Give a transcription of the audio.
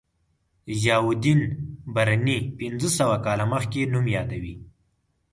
ضیاءالدین برني پنځه سوه کاله مخکې نوم یادوي.